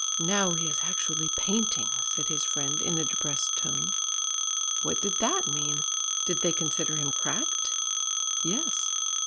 "Now he is actually painting," said his friend in a depressed tone. What did that mean? Did they consider him cracked? Yes.